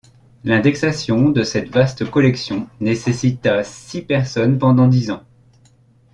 L'indexation de cette vaste collection necesita six personnes pendant dix ans.